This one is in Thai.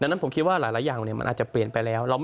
ดังนั้นผมคิดว่าหลายอย่างมันอาจจะเปลี่ยนไปแล้ว